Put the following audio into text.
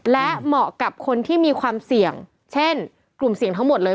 และเหมาะกับคนที่มีความเสี่ยงเช่นกลุ่มเสี่ยงทั้งหมดเลย